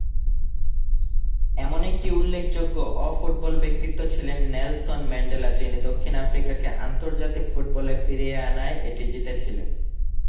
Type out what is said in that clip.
এমন একটি উল্লেখযোগ্য অ-ফুটবল ব্যক্তিত্ব ছিলেন নেলসন ম্যান্ডেলা যিনি দক্ষিণ আফ্রিকাকে আন্তর্জাতিক ফুটবলে ফিরিয়ে আনায় এটি জিতেছিলেন।